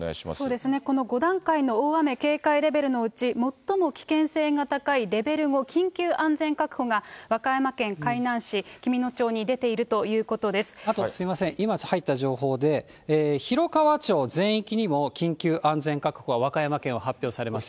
そうですね、この５段階の大雨警戒レベルのうち、最も危険性が高いレベル５の緊急安全確保が和歌山県海南市、紀美あとすみません、今、入った情報で、広川町全域にも緊急安全確保は、和歌山県は発表されました。